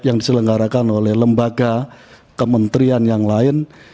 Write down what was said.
yang diselenggarakan oleh lembaga kementerian yang lain